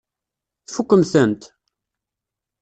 Tfukkem-tent?